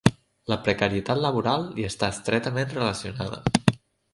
La precarietat laboral hi està estretament relacionada.